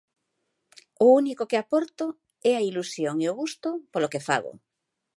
O único que aporto é a ilusión e o gusto polo que fago.